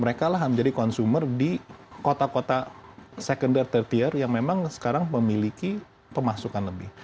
mereka lah yang menjadi konsumen di kota kota secondar third tier yang memang sekarang memiliki pemasukan lebih